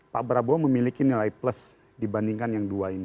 pak prabowo memiliki nilai plus dibandingkan yang dua ini